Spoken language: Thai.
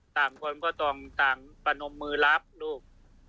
ต่างคนก็ต้องต่างประนมมือรับลูก